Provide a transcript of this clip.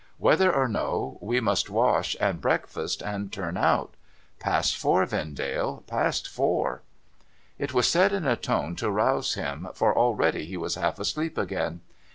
Whether or no, we must wash, and breakfast, and turn out. Past four, Vendale ; past four I ' It was said in a tone to rouse him, for already he was half asleep again.